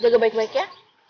jaga baik baik ya